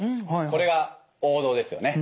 これが王道ですよね。